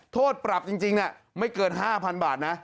โทษปรับจริงไม่เกิน๕๐๐๐บาทนะ